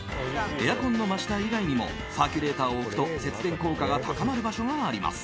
エアコンの真下以外にもサーキュレーターを置くと節電効果が高まる場所があります。